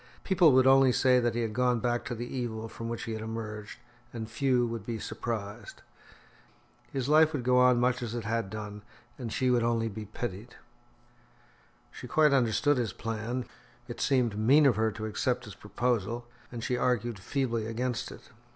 People would only say that he had gone back to the evil from which he had emerged, and few would be surprised. His life would go on much as it had done, and she would only be pitied. She quite understood his plan; it seemed mean of her to accept his proposal, and she argued feebly against it.